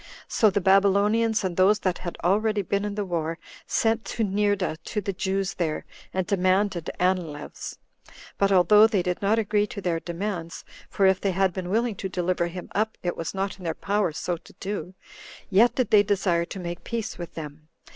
So the Babylonians, and those that had already been in the war, sent to Neerda to the Jews there, and demanded Anileus. But although they did not agree to their demands, [for if they had been willing to deliver him up, it was not in their power so to do,] yet did they desire to make peace with them.